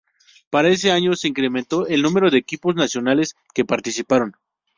Para ese año se incrementó el número de equipos nacionales que participaron.